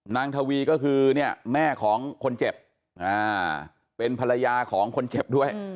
ทวีก็คือเนี่ยแม่ของคนเจ็บเป็นภรรยาของคนเจ็บด้วย